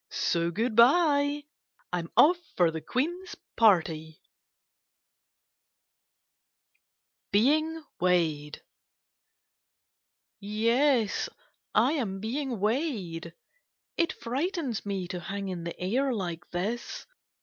So, good bye ! I 'm off for the Queen's party. 20 kitte:n^8 and cats u BEING WEIGHED Yes, I am being weighed. It frightens me to hang in the air like this.